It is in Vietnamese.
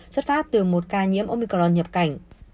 xuất phát từ một ca nhiễm omicron nhập cảnh